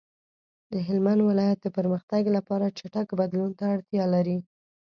د هلمند ولایت د پرمختګ لپاره چټک بدلون ته اړتیا لري.